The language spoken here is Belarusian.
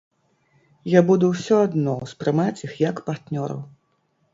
Я буду ўсё адно ўспрымаць іх як партнёраў.